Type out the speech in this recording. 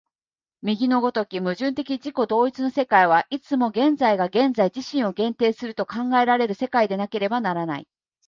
右の如き矛盾的自己同一の世界は、いつも現在が現在自身を限定すると考えられる世界でなければならない。